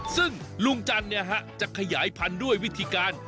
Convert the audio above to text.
ซึ่งลุงจันทร์จะขยายพันธุ์ด้วยวิธีการ